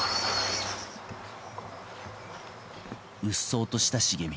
うっそうとした茂み。